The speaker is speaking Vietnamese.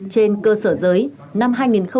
trên cơ sở giới năm hai nghìn hai mươi một